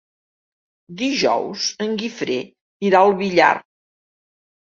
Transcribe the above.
Dijous en Guifré irà al Villar.